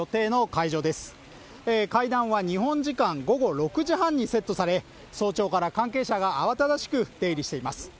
会談は日本時間午後６時半にセットされ早朝から関係者が慌ただしく出入りしています